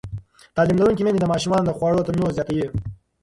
تعلیم لرونکې میندې د ماشومانو د خواړو تنوع زیاتوي.